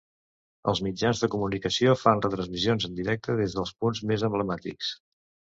Els mitjans de comunicació fan retransmissions en directe des dels punts més emblemàtics.